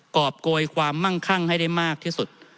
กรอบโกยความมั่งคั่งให้ได้มากที่สุด